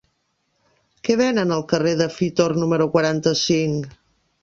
Què venen al carrer de Fitor número quaranta-cinc?